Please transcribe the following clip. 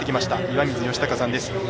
岩水嘉孝さんです。